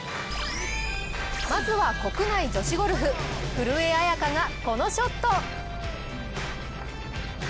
まずは国内女子ゴルフ古江彩佳がこのショット。